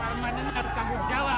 warman ini harus tanggung jawab